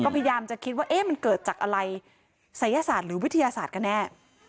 พยายามจะคิดว่าเอ๊ะมันเกิดจากอะไรศัยศาสตร์หรือวิทยาศาสตร์กันแน่